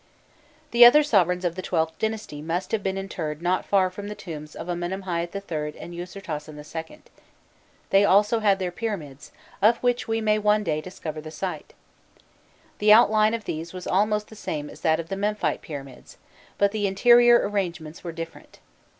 The other sovereigns of the XIIth dynasty must have been interred not far from the tombs of Amenemhâît III. and Usirtasen II.: they also had their pyramids, of which we may one day discover the site. The outline of these was almost the same as that of the Memphite pyramids, but the interior arrangements were different.